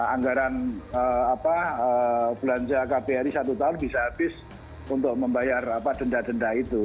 anggaran belanja kbri satu tahun bisa habis untuk membayar denda denda itu